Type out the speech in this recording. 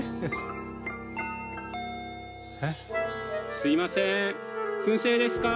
・すいません燻製ですか？